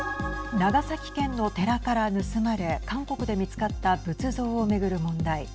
長崎県の寺から盗まれ韓国で見つかった仏像を巡る問題。